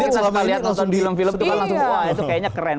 biasanya kita lihat di film film itu langsung wah itu kayaknya keren